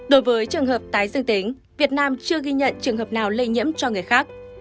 đối với trường hợp tái dương tính việt nam chưa ghi nhận trường hợp nào lây nhiễm cho người khác